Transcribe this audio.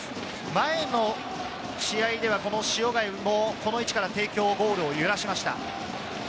前の試合では塩貝もこの位置から帝京ゴールを揺らしました。